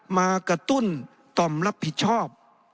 มากระตุ้นต่อมรับผิดชอบ